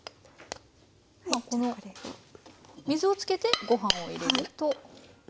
今この水を付けてごはんを入れると？